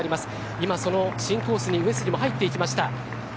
今、その新コースに上杉も入っていきました。